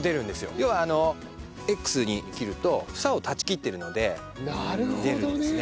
要はＸに切ると房を断ち切ってるので出るんですね。